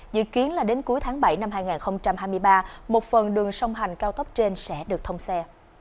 dự kiến là đến cuối tháng bảy năm hai nghìn hai mươi ba một phần đường sông hành cao tốc trên sẽ được thông xe